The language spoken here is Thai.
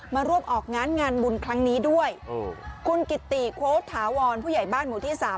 มาร่วมออกงานงานบุญครั้งนี้ด้วยโอ้คุณกิติโค้ดถาวรผู้ใหญ่บ้านหมู่ที่สาม